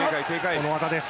この技です